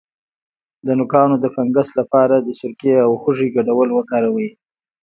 د نوکانو د فنګس لپاره د سرکې او هوږې ګډول وکاروئ